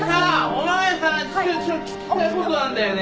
お巡りさんちょ聞きたいことあんだよね。